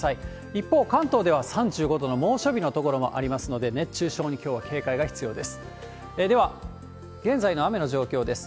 一方、関東では３５度の猛暑日の所もありますので、熱中症にきょうは警戒が必要です。